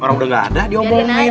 orang udah gak ada diomongin